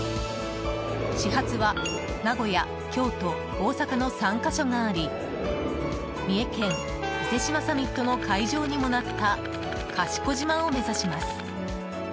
始発は名古屋、京都、大阪の３か所があり三重県伊勢志摩サミットの会場にもなった賢島を目指します。